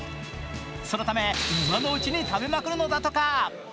そのため今のうちに食べまくるのだとか。